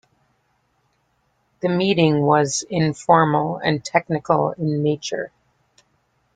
The meeting was informal and technical in nature.